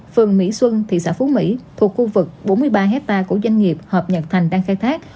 phường mỹ xuân thị xã phú mỹ thuộc khu vực bốn mươi ba hectare của doanh nghiệp hợp nhật thành đang khai thác